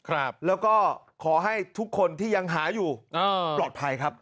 ครับแล้วก็ขอให้ทุกคนที่ยังหาอยู่อ่าปลอดภัยครับ